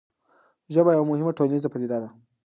ژبه یوه مهمه ټولنیزه پدیده ده.